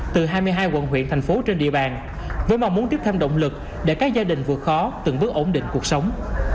từ hai mươi hai quận huyện thành phố trên địa bàn với mong muốn tiếp thêm động lực để các gia đình vượt khó từng bước ổn định cuộc sống